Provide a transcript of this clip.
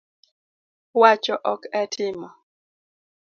Wacho ok e timo